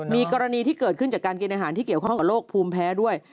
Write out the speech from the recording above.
มีกรณีที่เกิดขึ้นจากการกินอาหารที่เกี่ยวข้องกับโรคภูมิแพ้ด้วย